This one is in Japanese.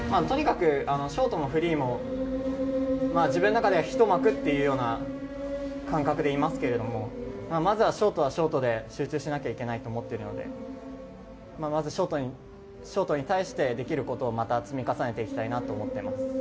とにかくショートもフリーも、自分の中では１枠というような感覚でいますけれども、まずはショートはショートで、集中しなきゃいけないと思ってるので、まずショートに対してできることをまた積み重ねていきたいなと思ってます。